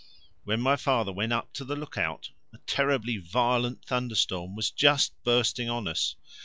When my father went up to the look out a terribly violent thunderstorm was just bursting on us.